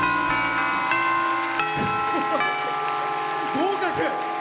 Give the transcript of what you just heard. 合格！